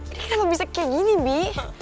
ini kamu bisa kayak gini bi